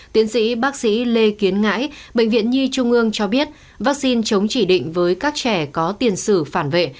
tiến sĩ bác sĩ lê kiến ngãi bệnh viện nhi trung ương cho biết vaccine chống chỉ định với các trẻ có tiền sử phản vệ